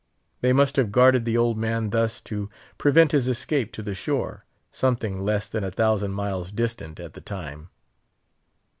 They must have guarded the old man thus to prevent his escape to the shore, something less than a thousand miles distant at the time.